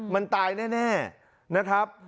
มันตายแน่นะครับ